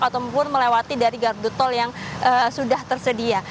ataupun melewati dari gardu tol yang sudah tersedia